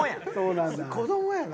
子供やん！